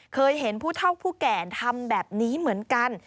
เคยเห็นผู้เท่าผู้แก่ทำแบบนี้เหมือนกัน